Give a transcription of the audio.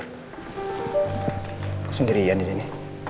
aku sendirian disini